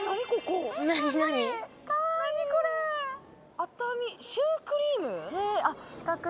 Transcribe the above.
熱海シュークリーム？